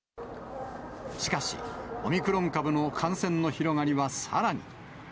しかし、オミクロン株の感染の広がりはさらに。